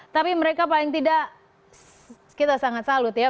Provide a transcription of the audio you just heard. tapi mereka paling tidak kita sangat salut ya